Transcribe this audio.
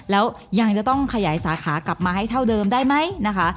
แล้วยังจะต้องขยายสาขากลับมาให้เท่าเดิมได้ไหมนะคะ